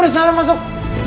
udah salah masuk